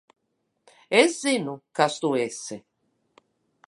Es zinu, kas tu esi.